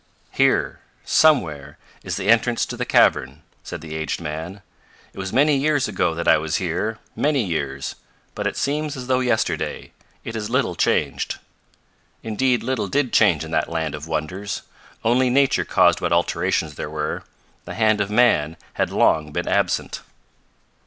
"Here, somewhere, is the entrance to the cavern," said the aged man. "It was many years ago that I was here many years. But it seems as though yesterday. It is little changed." Indeed little did change in that land of wonders. Only nature caused what alterations there were. The hand of man had long been absent.